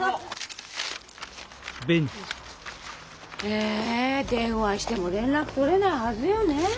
へえ電話しても連絡とれないはずよねえ。